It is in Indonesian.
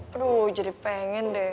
aduh jadi pengen deh